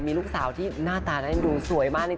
มีลูกสาวที่หน้าตานั้นดูสวยมาก